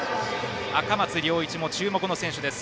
赤松諒一も注目の選手です。